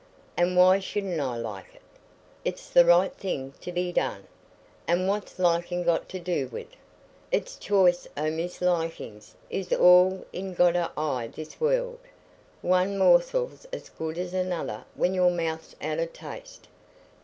"An' why shouldna I like 't? It's the right thing to be done. An' what's liking got to do wi't? It's choice o' mislikings is all I'n got i' this world. One morsel's as good as another when your mouth's out o' taste.